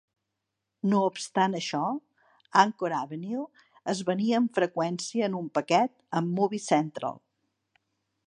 No obstant això, Encore Avenue es venia amb freqüència en un paquet amb Movie Central.